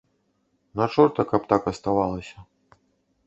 На чорта каб так аставалася.